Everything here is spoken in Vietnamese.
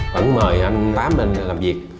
vẫn mời anh nguyễn văn tám lên làm việc